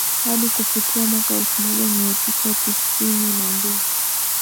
hadi kufikia mwaka elfu moja mia tisa tisini na mbili